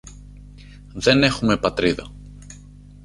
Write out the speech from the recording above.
Δεν έχουμε Πατρίδα!